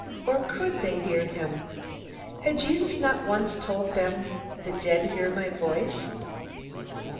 Or could they hear him? Had Jesus not once told them, "The dead hear my voice"?